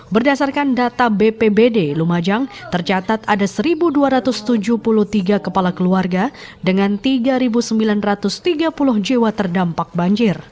berdasarkan data bpbd lumajang tercatat ada satu dua ratus tujuh puluh tiga kepala keluarga dengan tiga sembilan ratus tiga puluh jiwa terdampak banjir